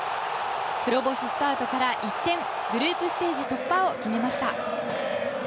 黒星スタートから一転グループステージ突破を決めました。